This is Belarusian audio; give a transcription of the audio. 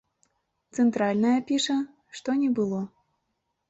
Цэнтральная піша, што не было.